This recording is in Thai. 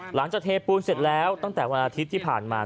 เทปูนเสร็จแล้วตั้งแต่วันอาทิตย์ที่ผ่านมา